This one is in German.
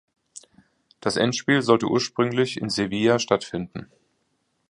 Das Endspiel sollte ursprünglich in Sevilla stattfinden.